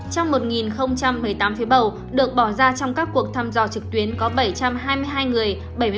trong một một mươi tám phiếu bầu được bỏ ra trong các cuộc thăm dò trực tuyến có bảy trăm hai mươi hai người